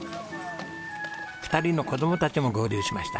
２人の子供たちも合流しました。